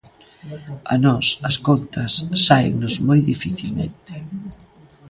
A nós as contas sáennos moi dificilmente.